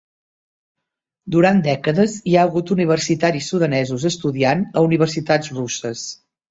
Durant dècades hi ha hagut universitaris sudanesos estudiant a universitats russes.